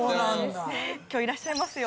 今日いらっしゃいますよ